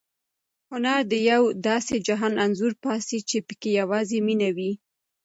هنر د یو داسې جهان انځور باسي چې پکې یوازې مینه وي.